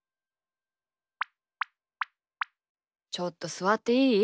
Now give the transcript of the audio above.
ちょっとすわっていい？